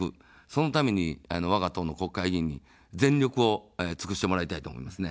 そのために、わが党の国会議員に全力を尽くしてもらいたいと思いますね。